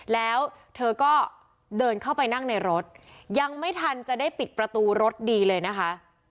แล้วเธอก็เดินเข้าไปนั่งในรถยังไม่ทันจะได้ปิดประตูรถดีเลยนะคะ